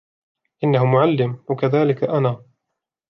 إنه معلم وكذلك انا.